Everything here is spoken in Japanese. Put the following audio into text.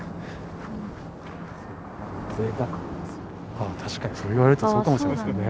ああ確かにそう言われるとそうかもしれませんね。